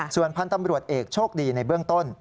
ส่วนพันธ์ตำรวจเอกโชคดีในเบื้องต้น